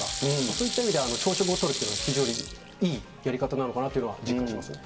そういった意味では、朝食をとるというのは非常にいいやり方なのかなというのは、実感しますね。